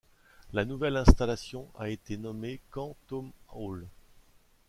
La nouvelle installation a été nommé Camp Tom Hale.